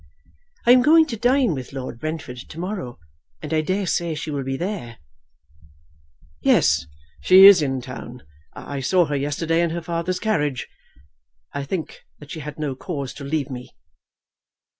"I am going to dine with Lord Brentford to morrow, and I dare say she will be there." "Yes; she is in town. I saw her yesterday in her father's carriage. I think that she had no cause to leave me."